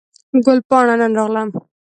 ګل پاڼه نن راغله